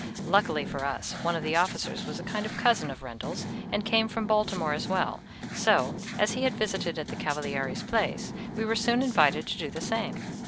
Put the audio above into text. Luckily for us, one of the officers was a kind of cousin of Rendel's, and came from Baltimore as well, so, as he had visited at the Cavaliere's place, we were soon invited to do the same.